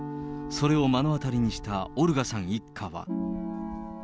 それを目の当たりにしたオルガさん一家は。